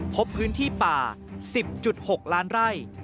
พบพื้นที่ป่า๑๐๖ล้านไร่